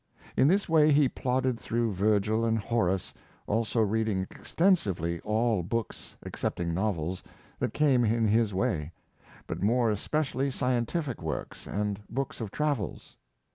In this way he plod Dr. Livingstone's Studies. 287 ded through Virgil and Horace, also reading exten sively all books, excepting novels, that came in his way, but more especially scientific works and books of travels.